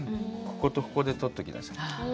ここと、ここで撮っときなさいって。